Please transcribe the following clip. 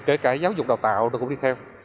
kể cả giáo dục đào tạo nó cũng đi theo